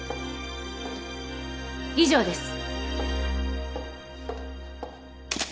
以上です。